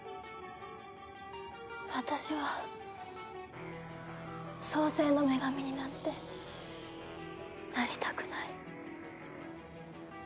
私は創世の女神になんてなりたくない。